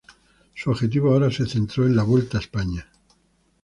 Su objetivo ahora, se centró en la Vuelta a España.